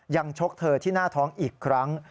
ชกเธอที่หน้าท้องอีกครั้ง